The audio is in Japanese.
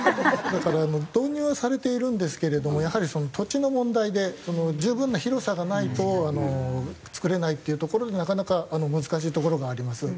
だから導入はされているんですけれどもやはり土地の問題で十分な広さがないと作れないっていうところでなかなか難しいところがあります。